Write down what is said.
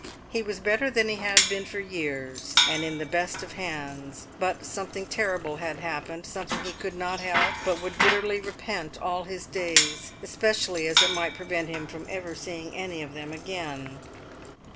He was better than he had been for years, and in the best of hands. But something terrible had happened; something he could not help, but would bitterly repent all his days, especially as it might prevent him from ever seeing any of them again.